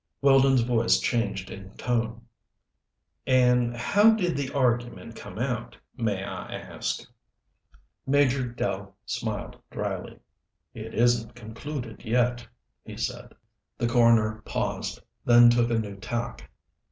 Weldon's voice changed in tone. "And how did the argument come out, may I ask." Major Dell smiled dryly. "It isn't concluded yet," he said. The coroner paused, then took a new tack.